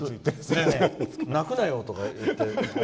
泣くなよとか言って。